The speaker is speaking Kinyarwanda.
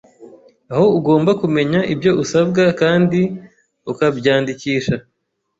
Aha ugomba kumenya ibyo usabwa kandi ukabyandikisha